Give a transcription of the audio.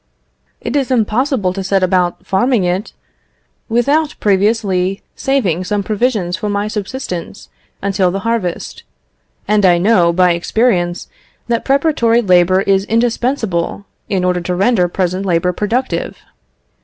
It is impossible to set about farming it, without previously saving some provisions for my subsistence until the harvest; and I know, by experience, that preparatory labour is indispensable, in order to render present labour productive."